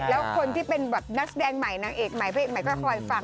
แล้วคนที่เป็นแบบนักแสดงใหม่นางเอกใหม่พระเอกใหม่ก็คอยฟัง